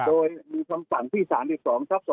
โดยมีคำสั่งที่๓๒ทับ๒